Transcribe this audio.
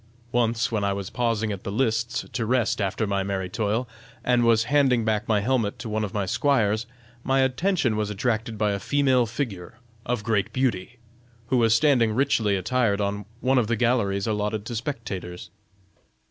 Once when I was pausing at the lists, to rest after my merry toil, and was handing back my helmet to one of my squires, my attention was attracted by a female figure of great beauty, who was standing richly attired on one of the galleries allotted to spectators."